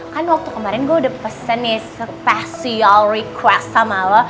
kan waktu kemarin gue udah pesen nih special request sama lo